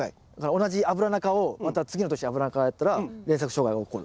同じアブラナ科をまた次の年アブラナ科をやったら連作障害がおこる？